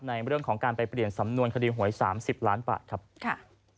ในเรื่องของการไปเปลี่ยนสำนวนคดีหวย๓๐ล้านบาทครับค่ะ